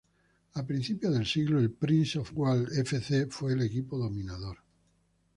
A principios del siglo el Prince of Wales F. C. fue el equipo dominador.